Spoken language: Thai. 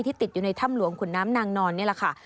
ติดอยู่ในถ้ำหลวงขุนน้ำนางนอนนี่แหละค่ะ